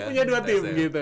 punya dua tim gitu